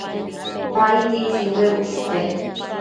Ai. ¿mitsimbuebi ushpe?